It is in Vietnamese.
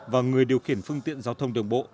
và người điều khiển phương tiện giao thông đường bộ